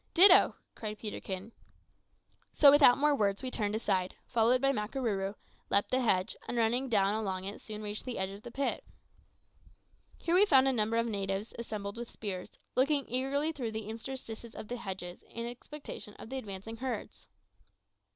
"Ditto," cried Peterkin. So without more words we turned aside, followed by Makarooroo, leaped the hedge, and running down along it soon reached the edge of the pit. Here we found a number of the natives assembled with spears, looking eagerly through the interstices of the hedges in expectation of the advancing herds.